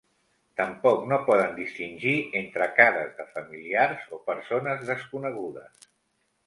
Tampoc no poden distingir entre cares de familiars o persones desconegudes.